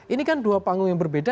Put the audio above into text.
ini kan dua panggung yang berbeda